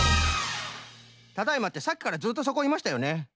「ただいま」ってさっきからずっとそこいましたよね？